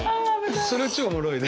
それ超おもろいね。